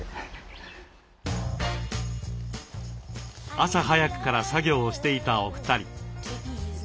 朝早くから作業をしていたお二人。